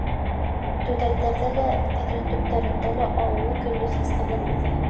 Түтәлдәрҙә лә, тәҙрә төптәрендә лә аллы-гөллө сәскәләр үҫә.